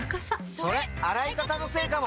それ洗い方のせいかも！